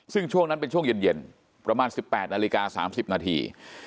ซึ่งช่วงนั้นเป็นช่วงเย็นประมาณ๑๘นาฬิกา๓๐นาที